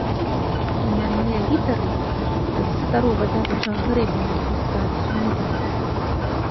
Імянныя літары з старога дзявочага грэбеня прыставіць умелі.